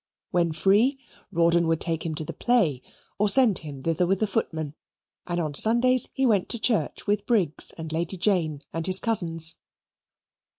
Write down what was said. When free, Rawdon would take him to the play, or send him thither with the footman; and on Sundays he went to church with Briggs and Lady Jane and his cousins.